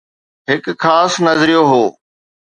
هڪ خاص نظريو هو.